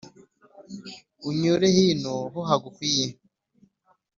unyure hino ho hagukwiye